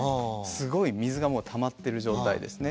すごい水がたまってる状態ですね。